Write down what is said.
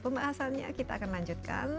pembahasannya kita akan lanjutkan